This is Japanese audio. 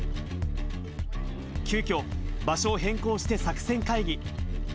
急きょ、場所を変更して作戦会議。